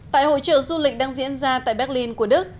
tại hội trợ du lịch đang diễn ra tại berlin của đức